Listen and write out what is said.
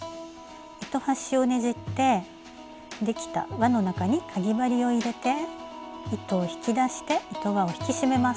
糸端をねじってできた輪の中にかぎ針を入れて糸を引き出して糸輪を引き締めます。